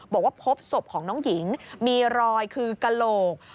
บอกว่าพบศพของน้องหญิงมีรอยคือกระโหลก